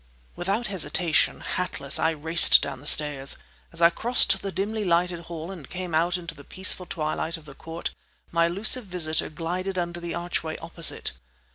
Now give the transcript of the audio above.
Without hesitation, hatless, I raced down the stairs. As I crossed the dimly lighted hall and came out into the peaceful twilight of the court, my elusive visitor glided under the archway opposite.